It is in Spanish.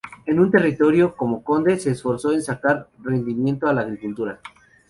En su territorio, como conde, se esforzó en sacar rendimiento a la agricultura.